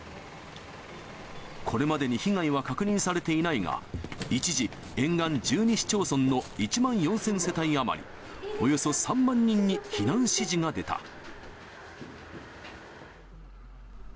これまでに被害は確認されていないが、一時、沿岸１２市町村の１万４０００世帯余り、およそ３万人に避難指示が出た。